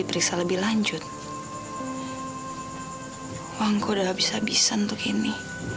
bisa untuk ini